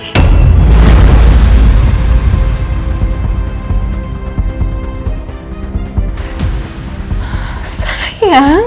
itu ketika maha ratu sudah menyumbang mu